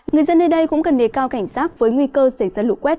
người dân nơi đây cũng cần đề cao cảnh sát với nguy cơ xảy ra lũ quét